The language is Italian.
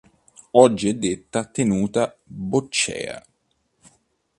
Oggi è detta Tenuta Boccea.